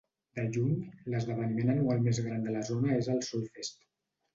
De lluny, l'esdeveniment anual més gran de la zona és el Solfest.